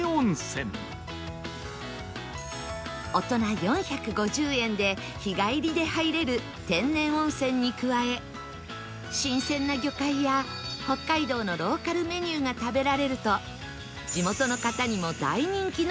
大人４５０円で日帰りで入れる天然温泉に加え新鮮な魚介や北海道のローカルメニューが食べられると